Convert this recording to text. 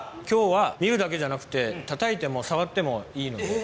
今日は見るだけじゃなくてたたいてもさわってもいいので。